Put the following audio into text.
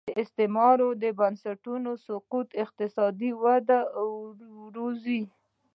د استعماري بنسټونو سقوط اقتصادي وده وزېږوي.